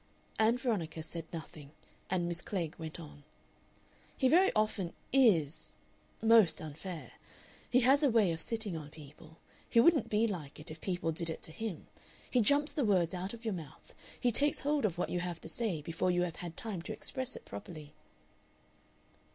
Ann Veronica said nothing, and Miss Klegg went on: "He very often IS most unfair. He has a way of sitting on people. He wouldn't like it if people did it to him. He jumps the words out of your mouth; he takes hold of what you have to say before you have had time to express it properly."